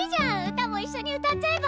歌もいっしょに歌っちゃえば？